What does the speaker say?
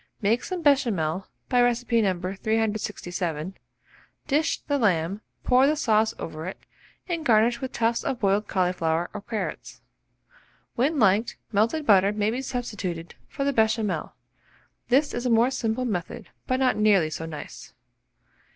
Make some Béchamel by recipe No. 367, dish the lamb, pour the sauce over it, and garnish with tufts of boiled cauliflower or carrots. When liked, melted butter may be substituted for the Béchamel: this is a more simple method, but not nearly so nice.